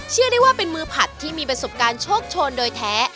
ได้ว่าเป็นมือผัดที่มีประสบการณ์โชคโชนโดยแท้